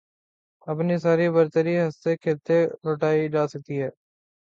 اپنی ساری برتری ہنستے کھیلتے لُٹائی جا سکتی ہے